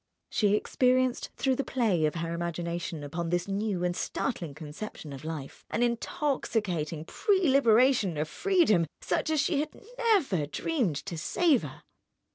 She experienced, through the play of her imagination upon this new and startling conception of life, an intoxicating prelibation of freedom such as she had never dreamed to savour.